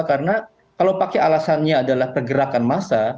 karena kalau pakai alasannya adalah pergerakan massa